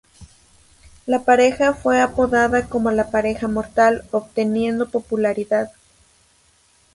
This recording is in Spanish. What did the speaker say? La pareja fue apodada como la 'pareja mortal' obteniendo popularidad.